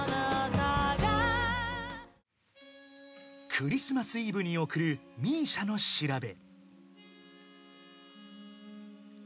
［クリスマスイブに送るＭＩＳＩＡの調べ］